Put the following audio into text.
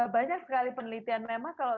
banyak sekali penelitian memang kalau